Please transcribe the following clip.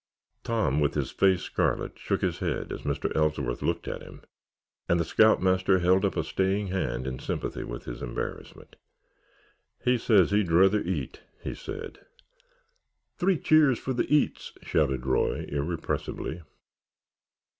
Tom, with his face scarlet, shook his head as Mr. Ellsworth looked at him and the scoutmaster held up a staying hand in sympathy with his embarrassment. "He says he'd rather eat," he said. "Three cheers for the eats!" shouted Roy, irrepressibly.